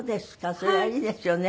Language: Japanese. それはいいですよね。